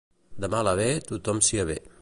De mal a bé tothom s'hi avé.